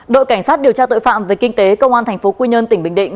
đội cảnh sát điều tra tội phạm về kinh tế công an tp quy nhơn tỉnh bình định